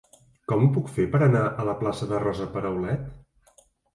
Com ho puc fer per anar a la plaça de Rosa Peraulet?